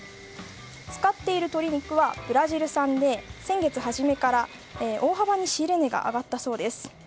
使っている鶏肉はブラジル産で先月初めから大幅に仕入れ値が上がったそうです。